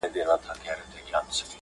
ددې تګلاري مهم بنسټګر